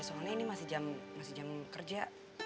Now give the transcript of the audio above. soalnya ini masih jam kerja